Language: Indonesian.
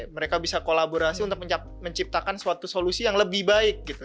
mereka bisa kolaborasi untuk menciptakan suatu solusi yang lebih baik gitu